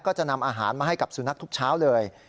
ก็จะนำอาหารมาให้กับสุนัขทุกเช้าเลย